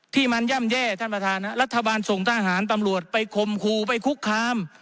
ที่มันย่ำแย่ท่านประธานรัฐบาลส่งทหารตำรวจไปคมครูไปคุกคาม